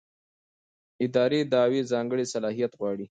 اداري دعوې ځانګړی صلاحیت غواړي.